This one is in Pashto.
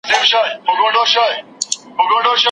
ما د خون او قتل تخم دئ كرلى